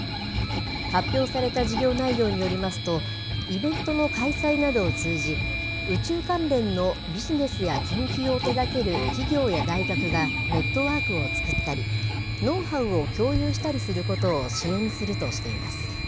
発表された事業内容によりますと、イベントの開催などを通じ、宇宙関連のビジネスや研究を手がける企業や大学がネットワークを作ったり、ノウハウを共有したりすることを支援するとしています。